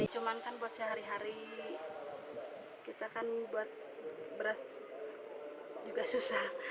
cuman kan buat sehari hari kita kan buat beras juga susah